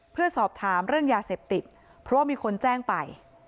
เพื่อสอบถามเรื่องยาเสพติดเพราะว่ามีคนแจ้งไป